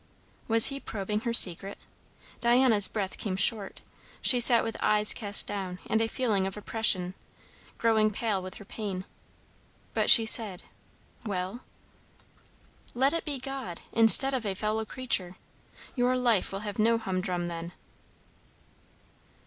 Was he probing her secret? Diana's breath came short; she sat with eyes cast down and a feeling of oppression; growing pale with her pain. But she said, "Well?" "Let it be God, instead of a fellow creature. Your life will have no humdrum then."